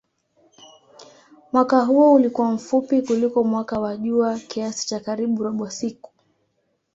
Mwaka huo ulikuwa mfupi kuliko mwaka wa jua kiasi cha karibu robo siku.